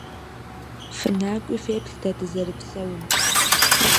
ФынакӀуи феплъ дэ дызэрыпсэум.